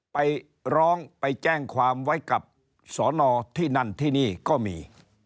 ไปร้องไปแจ้งความไว้กับสอนอที่นั่นที่นี่ก็มี